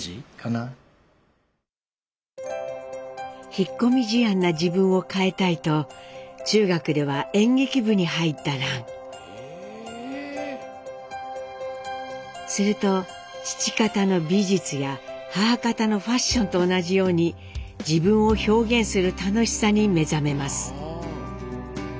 引っ込み思案な自分を変えたいとすると父方の美術や母方のファッションと同じように自分を表現する楽しさに目覚めます。